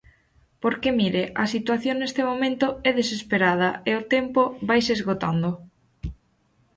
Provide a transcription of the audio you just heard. Porque, mire, a situación neste momento é desesperada e o tempo vaise esgotando.